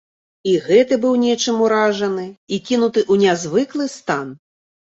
І гэты быў нечым уражаны і кінуты ў нязвыклы стан.